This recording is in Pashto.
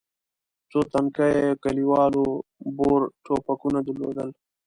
څو تنو کلیوالو بور ټوپکونه درلودل.